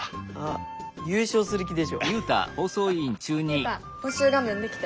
ユウタ募集画面出来たよ。